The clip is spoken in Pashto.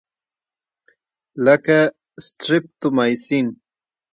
لکه سټریپټومایسین.